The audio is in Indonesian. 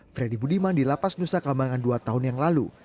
freddy budiman di lapas nusa kambangan dua tahun yang lalu